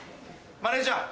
マネジャー。